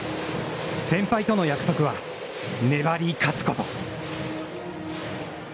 先輩との約束は粘り勝つこと。